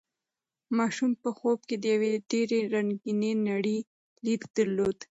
ماشوم په خوب کې د یوې ډېرې رنګینې نړۍ لید درلود.